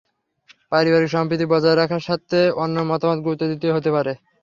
পারিবারিক সম্প্রীতি বজায় রাখার স্বার্থে অন্যের মতামত গুরুত্ব দিতে হতে পারে।